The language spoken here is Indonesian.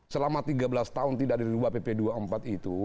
selama tiga belas tahun tidak dirubah pp dua puluh empat itu